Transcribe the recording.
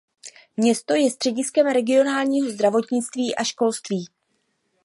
Město je střediskem regionálního zdravotnictví a školství.